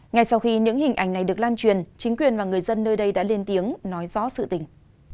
ngay sau khi những hình ảnh này được lan truyền chính quyền và người dân nơi đây đã lên tiếng nói rõ sự tình